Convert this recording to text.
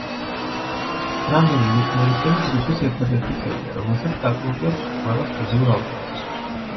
დრამერი ნიკ მეისონი ჯგუფის ერთადერთი წევრია, რომელსაც დაკრული აქვს ყველა სტუდიურ ალბომზე.